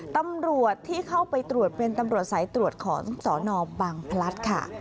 ตำรวจที่เข้าไปตรวจเป็นตำรวจสายตรวจของสนบังพลัดค่ะ